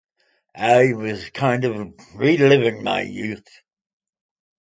I was kind of reliving my youth.